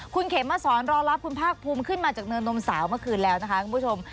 คุณเขมมาสอนรอรับคุณภาคภูมิขึ้นมาจากเนินนมสาวเมื่อคืนแล้วนะคะคุณผู้ชม